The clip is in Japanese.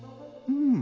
うん。